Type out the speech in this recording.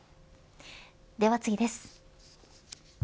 では次です。